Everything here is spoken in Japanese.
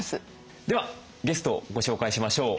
ではゲストをご紹介しましょう。